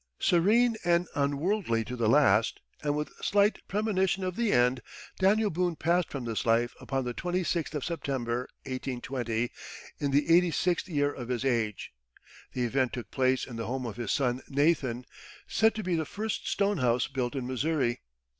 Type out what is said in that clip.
Serene and unworldly to the last, and with slight premonition of the end, Daniel Boone passed from this life upon the twenty sixth of September, 1820, in the eighty sixth year of his age. The event took place in the home of his son Nathan, said to be the first stone house built in Missouri.